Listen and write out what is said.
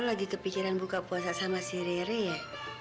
lagi kepikiran buka puasa sama si rere ya